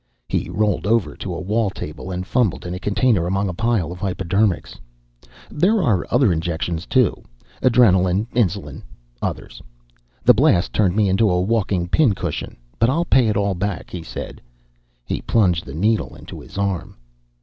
He rolled over to a wall table and fumbled in a container among a pile of hypodermics. "There are other injections, too. Adrenalin, insulin. Others. The Blast turned me into a walking pin cushion. But I'll pay it all back," he said. He plunged the needle into his arm.